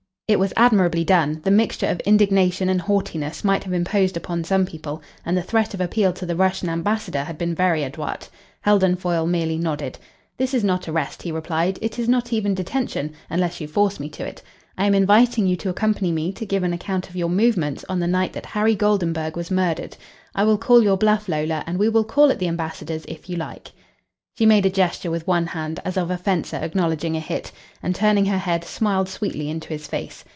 It was admirably done. The mixture of indignation and haughtiness might have imposed upon some people, and the threat of appeal to the Russian Ambassador had been very adroit. Heldon Foyle merely nodded. "This is not arrest," he replied. "It is not even detention unless you force me to it. I am inviting you to accompany me to give an account of your movements on the night that Harry Goldenburg was murdered. I will call your bluff, Lola, and we will call at the ambassador's if you like." She made a gesture with one hand, as of a fencer acknowledging a hit, and, turning her head, smiled sweetly into his face.